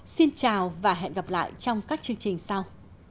xin chào và hẹn gặp lại trong các chương trình sau